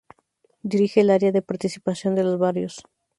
Dirige el Área de Participación de los Barrios.